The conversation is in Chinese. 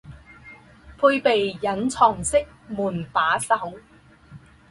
配备隐藏式门把手